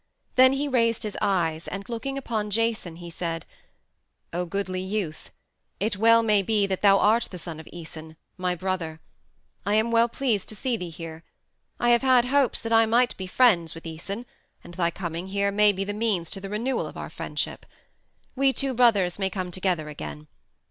Then he raised his eyes, and looking upon Jason he said, "O goodly youth, it well may be that thou art the son of Æson, my brother. I am well pleased to see thee here. I have had hopes that I might be friends with Æson, and thy coming here may be the means to the renewal of our friendship. We two brothers may come together again.